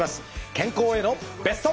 健康へのベスト。